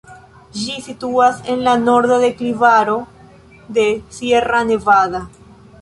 Ĝi situas en la norda deklivaro de Sierra Nevada.